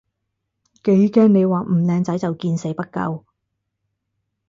幾驚你話唔靚仔就見死不救